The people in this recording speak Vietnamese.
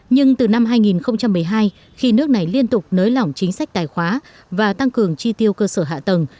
nhưng từ năm hai nghìn một mươi hai khi nước này liên tục nới lỏng chính sách tài khoá và tăng cường chi tiêu cơ sở hạ tầng